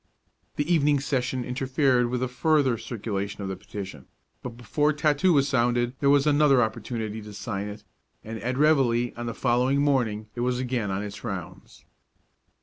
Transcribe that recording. The evening session interfered with a further circulation of the petition; but before tattoo was sounded there was another opportunity to sign it, and at reveille on the following morning it was again on its rounds.